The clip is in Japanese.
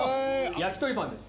焼き鳥パンです。